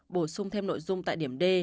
bổ sung thêm nội dung tại điểm d